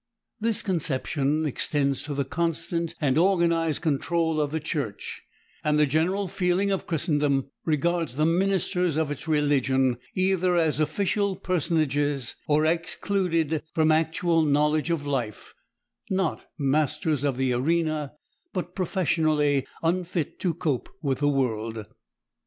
This conception extends to the constant and organized control of the Church, and the general feeling of Christendom regards the ministers of its religion either as official personages or as excluded from actual knowledge of life; not masters of the arena, but professionally unfit to cope with the world.